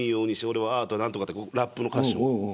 俺はアートで何とかってラップの歌詞を。